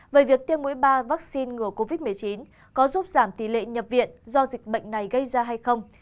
về việc tiêm mũi ba vaccine ngừa covid một mươi chín có giúp giảm tỷ lệ nhập viện do dịch bệnh này gây ra hay không